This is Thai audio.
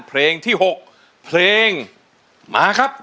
เพลงที่๖เพลงมาครับ